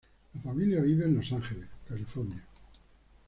La familia vive en Los Angeles, California.